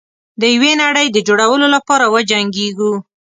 د یوې نړۍ د جوړولو لپاره وجنګیږو.